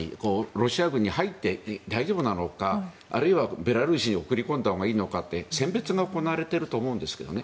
ロシア軍に入って大丈夫なのかあるいはベラルーシに送り込んだほうがいいのかって選別が行われていると思うんですけどね。